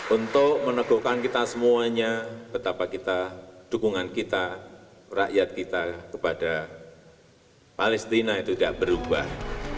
untuk meneguhkan kita semuanya betapa kita dukungan kita rakyat kita kepada palestina itu tidak berubah